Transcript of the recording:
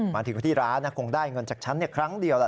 มาถึงที่ร้านคงได้เงินจากฉันครั้งเดียวล่ะ